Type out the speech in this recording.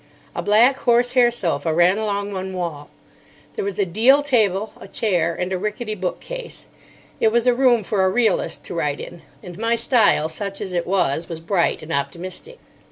A black horse hair sofa ran along one wall. There was a deal table, a chair, and a rickety bookcase. It was a room for a realist to write in; and my style, such as it was, was bright and optimistic.